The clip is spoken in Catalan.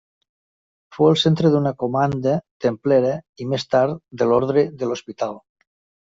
Fou el centre d'una comanda templera i més tard de l'orde de l'Hospital.